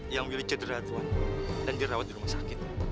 yang willy cederah tuhan dan dirawat di rumah sakit